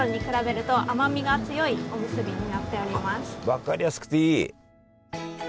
分かりやすくていい！